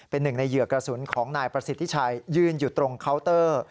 เป็นหนึ่งในเหยื่อกระสุนของนายประสิทธิชัยยืนอยู่ตรงเคาน์เตอร์